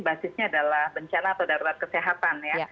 basisnya adalah bencana atau darurat kesehatan ya